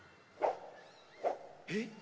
えっ？